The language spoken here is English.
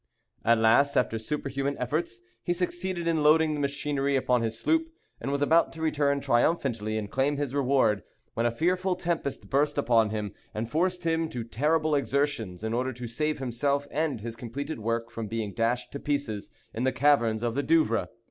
At last, after superhuman efforts, he succeeded in loading the machinery upon his sloop, and was about to return triumphantly and claim his reward, when a fearful tempest burst upon him, and forced him to terrible exertions in order to save himself and his completed work from being dashed to pieces in the caverns of the Douvres.